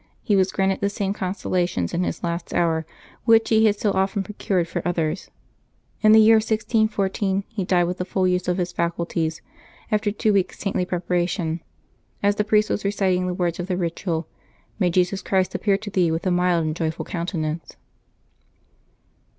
He was granted the same consolations in his last hour which he had so often procured for others. In the year 1614 he died with the full use of his faculties, after two weeks' saintly prep aration, as the priest was reciting the words of the ritual, " May Jesus Christ appear to thee with a mild and joyful countenance